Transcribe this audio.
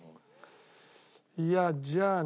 いやじゃあね。